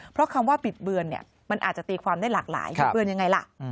เพราะคำว่าบิดเบือนเนี่ยมันอาจจะตีความได้หลากหลายบิดเบือนยังไงล่ะ